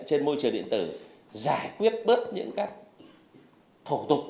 trên môi trường điện tử giải quyết bớt những các thủ tục